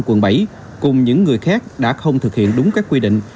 quận bảy cùng những người khác đã không thực hiện đúng các quy định